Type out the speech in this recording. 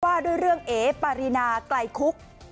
ว่าด้วยเรื่องเอ๋ปารีนาไกลคุก